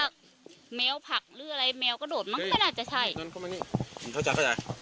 ถ้าแมวผักหรืออะไรแมวก็โดดมันก็ไม่น่าจะใช่